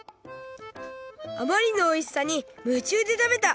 あまりのおいしさにむちゅうで食べた。